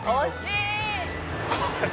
「惜しい！」